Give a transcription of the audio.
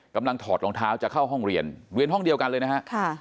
ถอดรองเท้าจะเข้าห้องเรียนเรียนห้องเดียวกันเลยนะฮะ